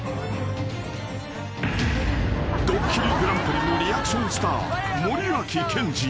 ［『ドッキリＧＰ』のリアクションスター］